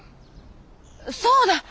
そうだ！